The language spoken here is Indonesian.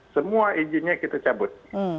semua izinnya kita cabut